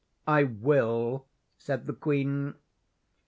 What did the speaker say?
"I will," said the queen.